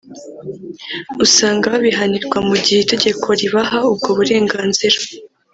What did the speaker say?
usanga babihanirwa mu gihe itegeko ribaha ubwo burenganzira